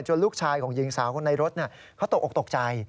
ลูกชายของหญิงสาวคนในรถเขาตกออกตกใจ